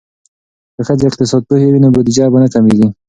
که ښځې اقتصاد پوهې وي نو بودیجه به نه کمیږي.